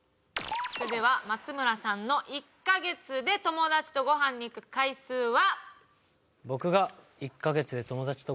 それでは松村さんの僕が１カ月で友達とご飯に行く回数は。